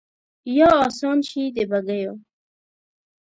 یا آسان شي د بګیو